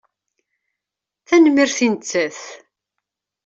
Tanemmirt i nettat.